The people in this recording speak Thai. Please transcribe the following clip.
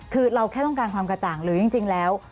คือเราแค่ต้องการความกระจ่างหรือจริงแล้ว